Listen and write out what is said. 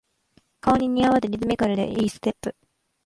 顔に似合わずリズミカルで良いステップ